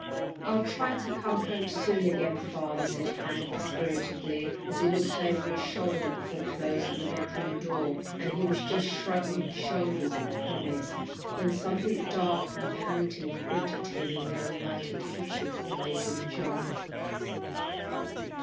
"I'll try to come home soon again, father," said Hank, dispiritedly, as he looked over his shoulder before closing the bedroom door, and he was just shrugging his shoulders at the promise, when something dark and panting caught at him in the unlighted kitchen, and made him jump.